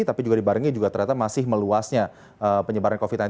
tapi juga dibarengi juga ternyata masih meluasnya penyebaran covid sembilan belas